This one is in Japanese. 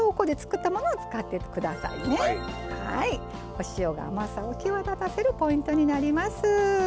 お塩が甘さを際立たせるポイントになります。